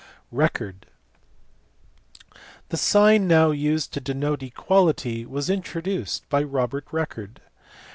Record. The sign now used to denote equality was in troduced by Robert Record*.